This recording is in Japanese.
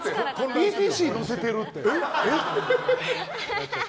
ＥＴＣ乗せてる？って。